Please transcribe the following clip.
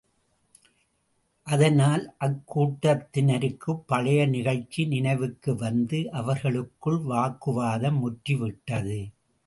அதனால் அக்கூட்டத்தினருக்குப் பழைய நிகழ்ச்சி நினைவுக்கு வந்து, அவர்களுக்குள் வாக்குவாதம் முற்றி விட்டது.